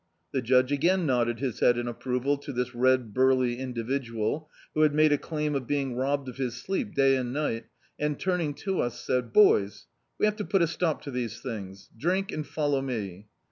The judge again nodded bis head in approval to this red, burly individual, who had made a claim of being robbed of his sleep day and ni^t, and turning to us said: "Boys, we have to put a stop to these things, drink and follow me."